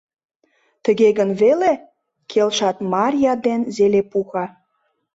— «Тыге гын веле», — келшат Марья ден Зелепуха.